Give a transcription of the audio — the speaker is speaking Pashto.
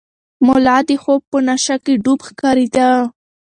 ملا د خوب په نشه کې ډوب ښکارېده.